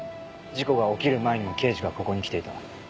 事故が起きる前にも刑事がここに来ていた。